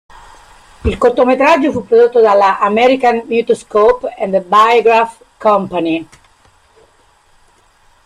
Il cortometraggio fu prodotto dalla American Mutoscope and Biograph Company.